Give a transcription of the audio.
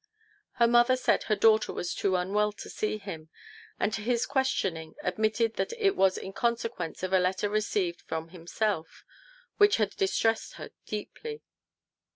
Her mother said her daughter was too unwell to see him, and to his questioning admitted that it was in consequence of a letter received from himself, which had distressed her deeply.